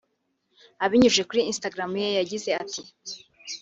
Abinyujije kuri Instagram ye yagize ati